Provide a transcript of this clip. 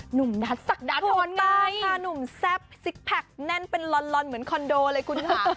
หนุ่มนัทศักดาทรค่ะหนุ่มแซ่บซิกแพคแน่นเป็นลอนเหมือนคอนโดเลยคุณค่ะ